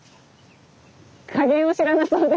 加減を知らなさそうで。